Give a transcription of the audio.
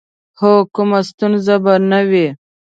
هو، کومه ستونزه به نه وي.